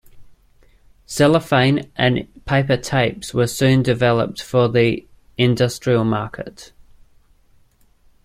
Cellophane and paper tapes were soon developed for the industrial market.